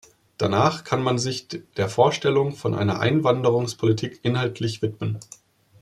Danach kann man sich der Vorstellung von einer Einwanderungspolitik inhaltlich widmen.